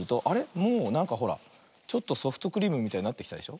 もうなんかほらちょっとソフトクリームみたいになってきたでしょ。